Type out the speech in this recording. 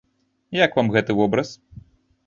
Як вам гэты вобраз?